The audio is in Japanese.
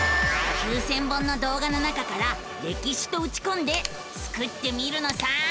９，０００本の動画の中から「歴史」とうちこんでスクってみるのさ！